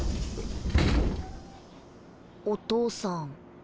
お父さん。